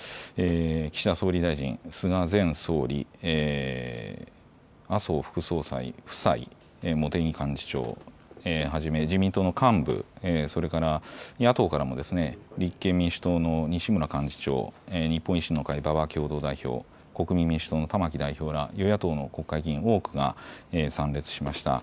岸田総理大臣、菅前総理、麻生副総裁夫妻、茂木幹事長をはじめ自民党の幹部、それから野党からも立憲民主党の西村幹事長、日本維新の会、馬場共同代表、国民民主党の玉木代表ら与野党の国会議員多くが参列しました。